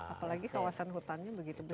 apalagi kawasan hutannya begitu besar